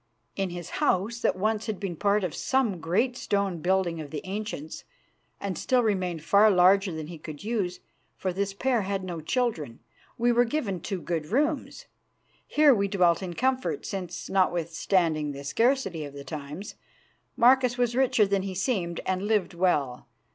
In his house, that once had been part of some great stone building of the ancients, and still remained far larger than he could use, for this pair had no children, we were given two good rooms. Here we dwelt in comfort, since, notwithstanding the scarcity of the times, Marcus was richer than he seemed and lived well.